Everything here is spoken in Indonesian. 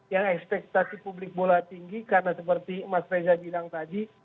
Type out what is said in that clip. yang ekspektasi publik bola tinggi karena seperti mas reza bilang tadi